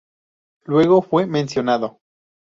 Luego fue mencionado.